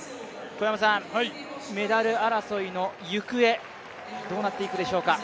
メダル争いの行方、どうなっていくでしょうか？